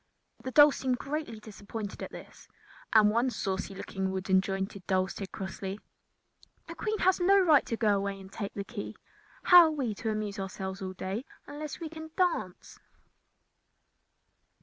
The dolls seemed greatly disappointed at this, and one saucy looking wooden jointed doll said crossly: "The Queen has no right to go away and take the key. How are we to amuse ourselves all day unless we can dance?"